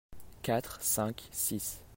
Quatre, Cinq, Six.